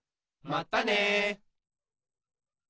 まったね。